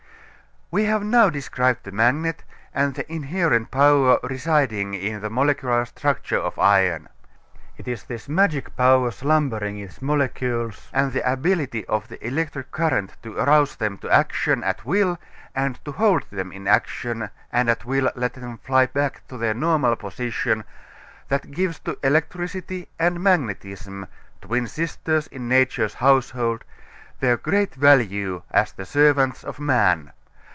We have now described the magnet and the inherent power residing in the molecular structure of iron. It is this magic power slumbering in its molecules and the ability of the electric current to arouse them to action at will and to hold them in action and at will let them fly back to their normal position, that gives to electricity and magnetism twin sisters in nature's household their great value as the servants of man.